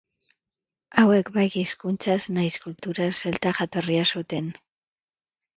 Hauek bai hizkuntzaz nahiz kulturaz zelta jatorria zuten.